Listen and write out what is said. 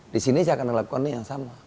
di sini saya akan melakukan yang sama